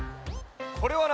これはな